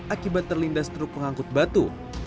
akibat terlindas truk pengangkut batu